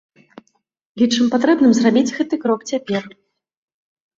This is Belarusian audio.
Лічым патрэбным зрабіць гэты крок цяпер.